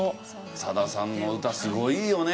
さださんの歌すごいよね。